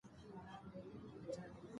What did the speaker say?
زړه د ستاینې لپاره دوه څپه ایز دی.